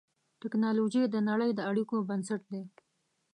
ټکنالوجي د نړۍ د اړیکو بنسټ دی.